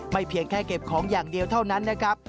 เพียงแค่เก็บของอย่างเดียวเท่านั้นนะครับ